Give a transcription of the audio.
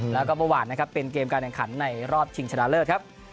แล้วก็ประหว่านเป็นเกมการแข่งขันในรอบชิงชนะเลิศครับ